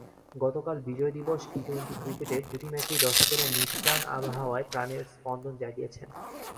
গতকাল বিজয় দিবস টি-টোয়েন্টি ক্রিকেটের দুটি ম্যাচেই দর্শকেরা নিষপ্রাণ আবহাওয়ায় প্রাণের স্পন্দন জাগিয়েছেন।